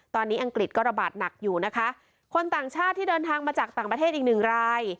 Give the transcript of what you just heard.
ตอนนี้อังกฤษก็ระบาดหนักอยู่นะคะคนต่างชาติที่เดินทางมาจากต่างประเทศอีกหนึ่งราย